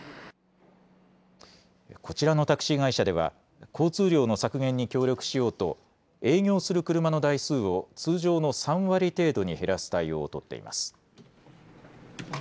こちらのタクシー会社では交通量の削減に協力しようと営業する車の台数を通常の３割程度に減らす対応を取っています。